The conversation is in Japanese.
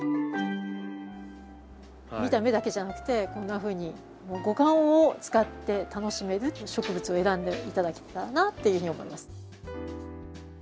見た目だけじゃなくてこんなふうに五感を使って楽しめる植物を選んで頂けたらなっていうふうに思います。